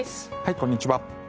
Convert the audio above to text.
こんにちは。